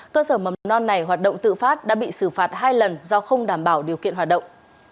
cơ sở mầm non này hoạt động tự phát đã bị xử phạt hai lần do không đảm bảo điều kiện hoạt động